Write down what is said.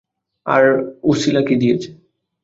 আর অছিলা কী দিয়েছে?